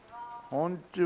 こんにちは。